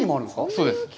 そうです。